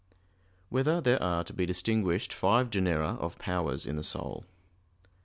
1] Whether There Are to Be Distinguished Five Genera of Powers in the Soul?